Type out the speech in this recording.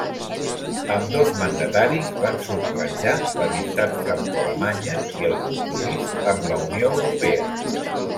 Ambdós mandataris van subratllar l'amistat francoalemanya i el compromís amb la Unió Europea.